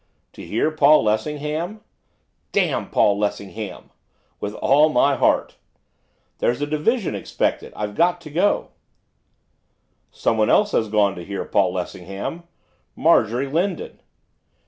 'To hear Paul Lessingham?' 'Damn Paul Lessingham!' 'With all my heart!' 'There's a division expected, I've got to go.' 'Someone else has gone to hear Paul Lessingham, Marjorie Lindon.